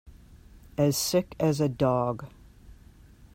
As sick as a dog.